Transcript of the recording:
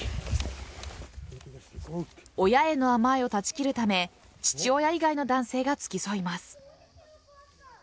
親への甘えを断ち切るため父親以外の男性が付き添います。